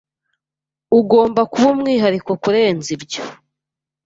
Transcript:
Ugomba kuba umwihariko kurenza ibyo.